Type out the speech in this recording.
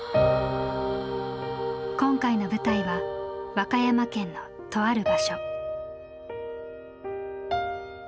今回の舞台は和歌山県のとある場所。